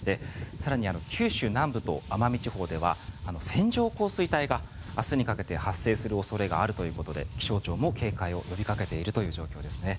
更に九州南部と奄美地方では線状降水帯が明日にかけて発生する恐れがあるということで気象庁も警戒を呼びかけているという状況ですね。